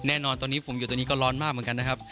แน่นอนตอนนี้ผมอยู่ตรงนี้ก็ร้อนมากเหมือนกันนะครับ